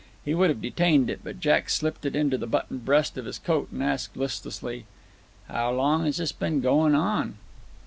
He would have detained it, but Jack slipped it into the buttoned breast of his coat, and asked, listlessly, "How long has this been going on?"